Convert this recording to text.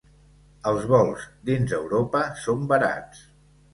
Els vols dins Europa són barats.